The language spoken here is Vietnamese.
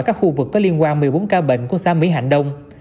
các khu vực có liên quan một mươi bốn ca bệnh của xã mỹ hạnh đông